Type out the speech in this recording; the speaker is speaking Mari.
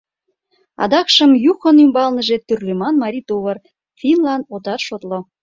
Адакшым Юхон ӱмбалныже тӱрлеман марий тувыр — финнлан отат шотло.